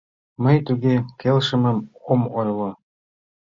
— Мый туге келшымым ом ойло.